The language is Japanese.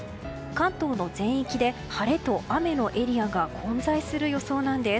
関東の全域で晴れと雨のエリアが混在する予想なんです。